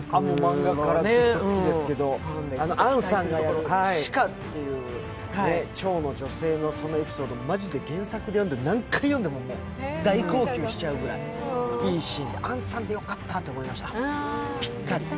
マンガから好きですけど杏さんがやる紫夏という趙の女性のエピソード、まじで原作で何回読んでも大号泣してしまうぐらいいいシーンで、杏さんでよかったと思いました、ぴったり。